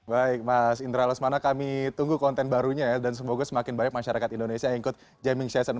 baik mas indra lesmana kami tunggu konten barunya ya dan semoga semakin banyak masyarakat indonesia yang ikut jamming session